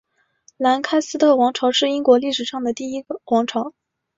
兰开斯特王朝是英国历史上的一个王朝。